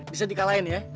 bisa dikalahin ya